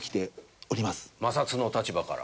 摩擦の立場から。